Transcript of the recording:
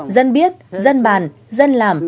dân biết dân bàn dân làm